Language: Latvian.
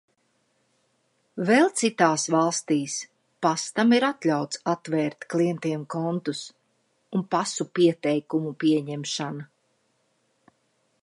Vēl citās valstīs pastam ir atļauts atvērt klientiem kontus un pasu pieteikumu pieņemšana.